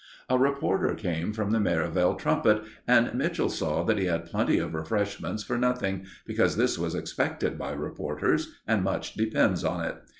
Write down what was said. A reporter came from The Merivale Trumpet and Mitchell saw that he had plenty of refreshments for nothing, because this is expected by reporters, and much depends on it.